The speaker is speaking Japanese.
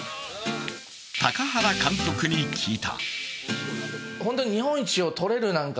高原監督に聞いた。